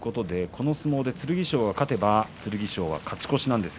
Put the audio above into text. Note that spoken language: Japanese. この相撲で剣翔が勝てば剣翔は勝ち越しです。